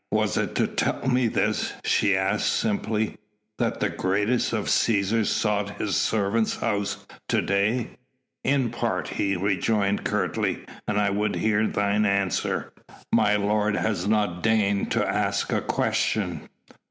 "Was it to tell me this," she asked simply, "that the greatest of Cæsars sought his servant's house to day?" "In part," he rejoined curtly, "and I would hear thine answer." "My lord has not deigned to ask a question?"